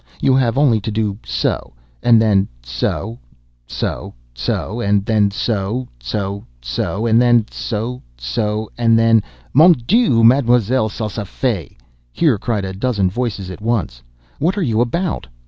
You have only to do so—and then so—so—so—and then so—so—so—and then so—so—and then—" "Mon dieu! Ma'm'selle Salsafette!" here cried a dozen voices at once. "What are you about?